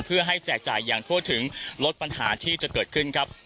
เพื่อให้แจกจ่ายอย่างทั่วถึงลดปัญหาที่จะเกิดขึ้นครับ